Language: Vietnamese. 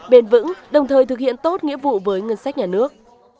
bền vững đồng thời thực hiện tốt nghĩa vụ với ngân sách nhà nước